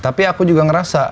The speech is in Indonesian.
tapi aku juga ngerasa